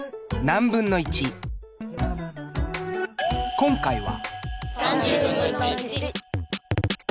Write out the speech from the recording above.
今回は。